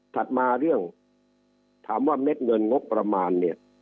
มาเรื่องถามว่าเม็ดเงินงบประมาณเนี่ย